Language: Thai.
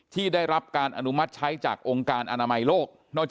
ก็คือเป็นการสร้างภูมิต้านทานหมู่ทั่วโลกด้วยค่ะ